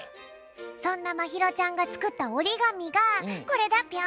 そんなまひろちゃんがつくったおりがみがこれだぴょん。